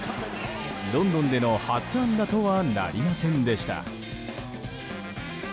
ロンドンでの初安打とはなりませんでした。